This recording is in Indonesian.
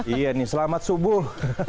iya nih selamat subuh